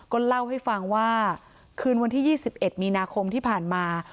ก็เล่าให้ฟังว่าคืนวันที่๒๑มีนาคมที่ผ่านมา